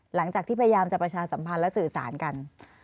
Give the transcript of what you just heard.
หลังจากที่พยายามจะประชาสัมพันธ์และสื่อสารกัน